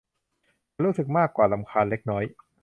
ฉันรู้สึกมากกว่ารำคาญเล็กน้อย